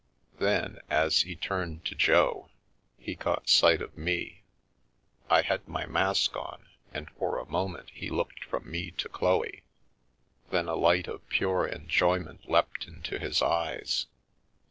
Then, as he turned to Jo, he caught sight of me. I had my mask on and for a moment he looked from me to Chloe; then a light of pure enjoyment leapt into his eyes.